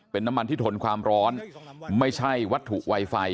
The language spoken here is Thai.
เป็นน้ำมันที่ทนความร้อนไม่ใช่วัตถุไวไฟ